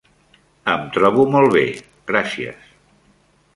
Em trobo molt bé, gràcies.